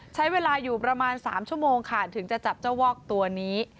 ใช้เวลาอยู่ประมาณ๓ชั่วโมงค่ะถึงจะจับเจ้าวอกตัวนี้